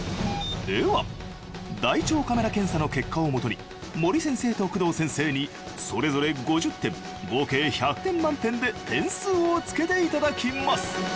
では大腸カメラ検査の結果をもとに森先生と工藤先生にそれぞれ５０点合計１００点満点で点数をつけていただきます